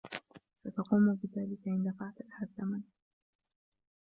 ستقوم بذلك إن دفعت لها الثمن.